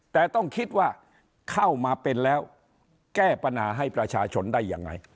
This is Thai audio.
แต่ต้องคิดว่าเข้ามาเป็นแล้วแก้ปัญหาให้ประชาชนได้ยังไง